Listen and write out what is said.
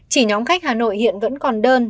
chỉ nhóm khách hà nội hiện vẫn còn đơn